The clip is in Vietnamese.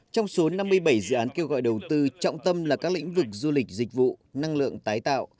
trong số năm mươi bảy dự án kêu gọi đầu tư trọng tâm là các lĩnh vực du lịch dịch vụ năng lượng tái tạo